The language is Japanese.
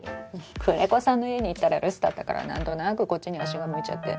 久連木さんの家に行ったら留守だったからなんとなくこっちに足が向いちゃって。